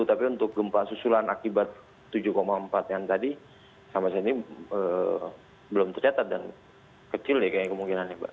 tapi untuk gempa susulan akibat tujuh empat yang tadi sampai saat ini belum tercatat dan kecil ya kayaknya kemungkinannya mbak